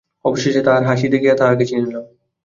অবশেষে তাহার হাসি দেখিয়া তাহাকে চিনিলাম।